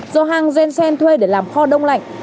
do hang jung sen thuê để làm kho đông lạnh